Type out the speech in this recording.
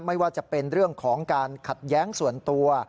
ไม่ว่าจะเป็นเรื่องของการขัดแย้งส่วนตัว